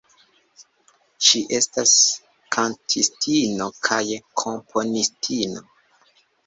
Ŝi estas kantistino kaj komponistino.